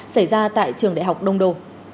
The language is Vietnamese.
xảy ra tại trường đại học đông đô